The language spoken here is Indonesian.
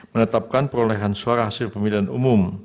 menetapkan perolehan suara hasil pemilihan umum